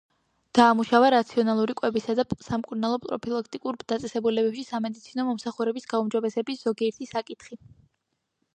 დაამუშავა რაციონალური კვებისა და სამკურნალო პროფილაქტიკურ დაწესებულებებში სამედიცინო მომსახურების გაუმჯობესების ზოგიერთი საკითხი.